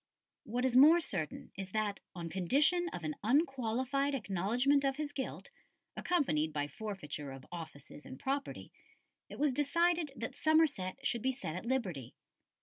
] What is more certain is that, on condition of an unqualified acknowledgment of his guilt, accompanied by forfeiture of offices and property, it was decided that Somerset should be set at liberty.